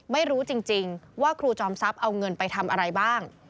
ไม่รู้จริงว่าครูจอมทรัพย์เอาเงินไปทำอะไรบ้าง